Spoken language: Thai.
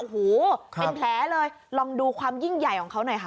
โอ้โหเป็นแผลเลยลองดูความยิ่งใหญ่ของเขาหน่อยค่ะ